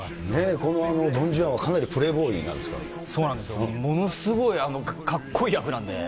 このドン・ジュアンはかなりそうなんですよ、ものすごいかっこいい役なんで。